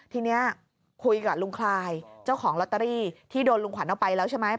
ทีนี้คุยกับลุงคลายเจ้าของลอตเตอรี่ที่โดนลุงขวัญเอาไปแล้วใช่ไหม